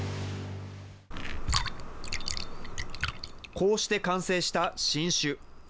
こうして完成した新酒。